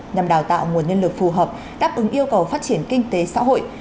nhằm đào tạo nguồn nhân lực phù hợp đáp ứng yêu cầu phát triển kinh tế xã hội